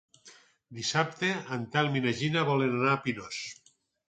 Dissabte en Telm i na Gina volen anar a Pinós.